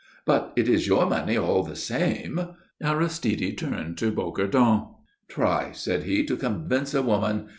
"But it is your money, all the same." Aristide turned to Bocardon. "Try," said he, "to convince a woman!